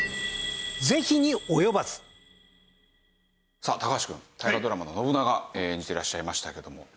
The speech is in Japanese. さあ高橋くん大河ドラマの信長演じてらっしゃいましたけども。